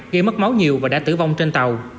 gây mất máu nhiều và đã tử vong trên tàu